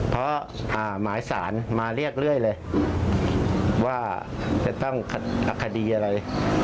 เพราะหมายสารมาเรียกเรื่อยเลยว่าจะต้องคดีอะไร